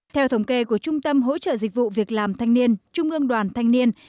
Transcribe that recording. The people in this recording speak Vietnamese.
theo thống kê của trung tâm hỗ trợ dịch vụ việc làm thanh niên trung ương đoàn thanh niên